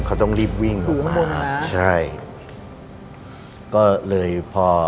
เค้าต้องลิบวิ่งออกมาอเรนนี่กูฟร